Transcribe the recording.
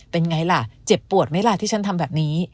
เป็นไงล่ะเจ็บปวดไหมล่ะที่ฉันทำแบบนี้